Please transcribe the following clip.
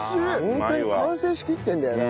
ホントに完成しきってるんだよな。